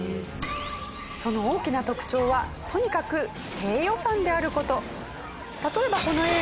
その大きな特徴はとにかく低予算である事。